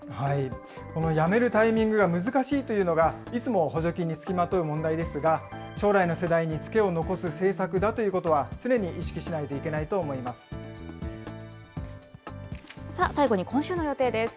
このやめるタイミングが難しいというのが、いつも補助金に付きまとう問題ですが、将来の世代に付けを残す政策だということは常に意識しないといけ最後に今週の予定です。